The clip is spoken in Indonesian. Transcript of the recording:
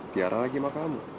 tiara lagi sama kamu